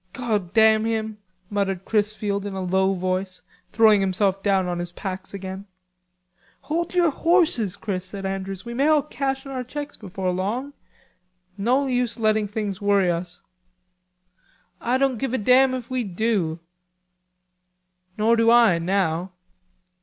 "God damn him!" muttered Chrisfield in a low voice, throwing himself down on his packs again. "Hold your horses, Chris," said Andrews. "We may all cash in our checks before long... no use letting things worry us." "I don't give a damn if we do." "Nor do I, now."